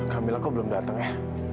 kamilah kok belum datang ya